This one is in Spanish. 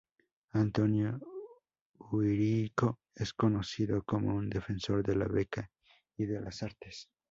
Antonio Ulrico es conocido como un defensor de la beca y de las artes.